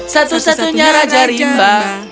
satu satunya raja rimba